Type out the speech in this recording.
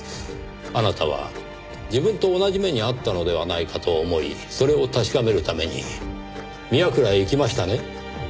あなたは自分と同じ目に遭ったのではないかと思いそれを確かめるためにみやくらへ行きましたね？